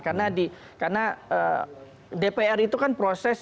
karena dpr itu kan proses